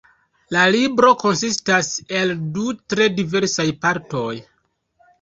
La libro konsistas el du tre diversaj partoj.